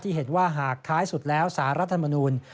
เห็นว่าหากท้ายสุดแล้วสารรัฐมนูล